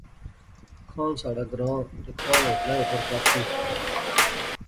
کھان ساڑھا گراں تے کھان ہوٹلے اوپر کافی